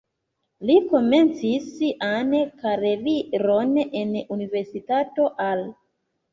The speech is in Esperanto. Li komencis sian karieron en Universitato Al.